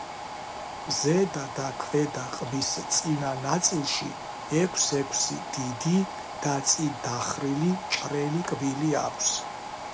ზედა და ქვედა ყბის წინა ნაწილში ექვს-ექვსი დიდი და წინ დახრილი მჭრელი კბილი აქვს.